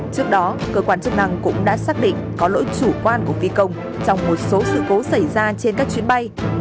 trước đó cơ quan chức năng cũng đã xác định có lỗi chủ quan của phi công trong một số sự cố xảy ra trên các chuyến bay